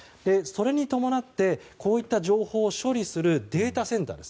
それに伴って、こういった情報を処理するデータセンター。